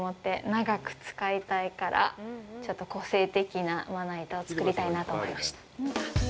長く使いたいから、ちょっと個性的なまな板を作りたいなと思いました。